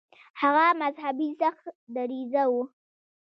هغه مذهبي سخت دریځه و.